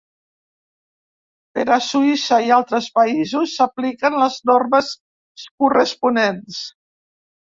Per a Suïssa i altres països, s'apliquen les normes corresponents.